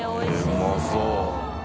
うまそう。